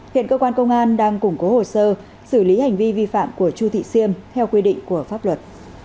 hiện cơ quan công an đang củng cố hồ sơ xử lý hành vi vi phạm của chu thị siêm theo quy định của pháp luật